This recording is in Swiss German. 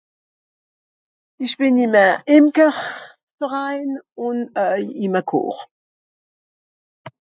Ìch bìn ìm e Imkerverein un äu ìm e Chor.